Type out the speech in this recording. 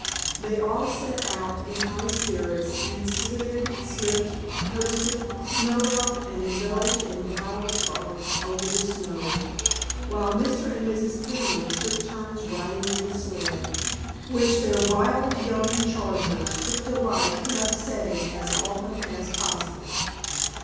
They all set out in high spirits, and slid, slipped, coasted, snowballed and indulged in wild frolics over the snow, while Mr. and Mrs. Peniman took turns riding on the sled, which their wild young chargers took delight in upsetting as often as possible.